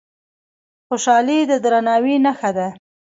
خوشالي د درناوي نښه ده.